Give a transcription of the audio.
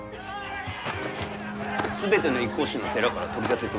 全ての一向宗の寺から取り立てておる。